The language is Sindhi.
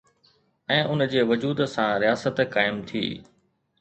۽ ان جي وجود سان رياست قائم ٿي.